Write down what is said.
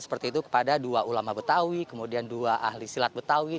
seperti itu kepada dua ulama betawi kemudian dua ahli silat betawi